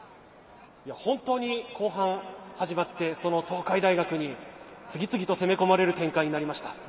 本当に後半始まってその東海大学に次々と攻め込まれる展開になりました。